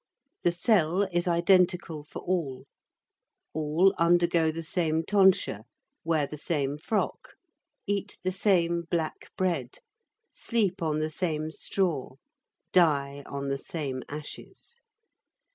The cell is identical for all. All undergo the same tonsure, wear the same frock, eat the same black bread, sleep on the same straw, die on the same ashes.